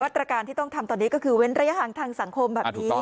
ตรการที่ต้องทำตอนนี้ก็คือเว้นระยะห่างทางสังคมแบบนี้